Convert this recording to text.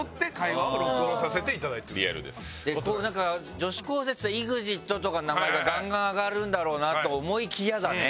女子高生ってＥＸＩＴとかの名前がガンガン上がるんだろうなと思いきやだね。